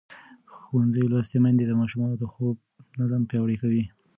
ښوونځې لوستې میندې د ماشومانو د خوب نظم پیاوړی کوي.